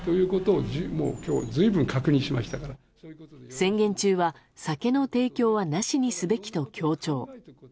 宣言中は酒の提供はなしにすべきと強調。